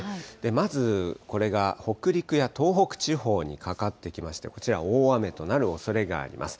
まず、これが北陸や東北地方にかかってきまして、こちら、大雨となるおそれがあります。